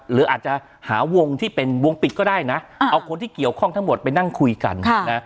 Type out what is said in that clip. หรืออาจจะหาวงที่เป็นวงปิดก็ได้นะเอาคนที่เกี่ยวข้องทั้งหมดไปนั่งคุยกันนะ